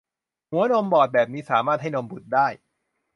หัวนมบอดแบบนี้สามารถให้นมบุตรได้